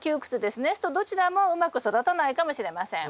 するとどちらもうまく育たないかもしれません。